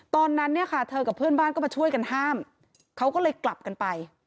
ตอนนั้นเนี่ยค่ะเธอกับเพื่อนบ้านก็มาช่วยกันห้ามเขาก็เลยกลับกันไป